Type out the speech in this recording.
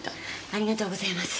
ありがとうございます。